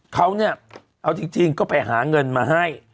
เขาเนี่ยเอาจริงก็ไปหาเงินมาให้